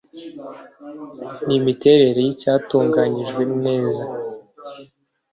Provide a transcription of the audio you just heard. n’imiterere y’icyatunganyijwe neza